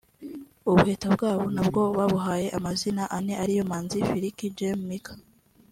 ubuheta bwabo na bwo babuhaye amazina ane ari yo Manzi Fikiri Jamel Mikah